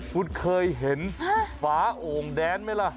คุณเคยเห็นฝาโอ่งแดนไหมล่ะ